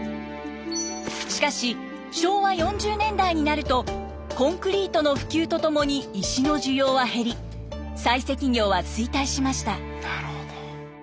しかし昭和４０年代になるとコンクリートの普及とともに石の需要は減り採石業は衰退しました。